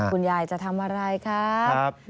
คุณยายจะทำอะไรครับ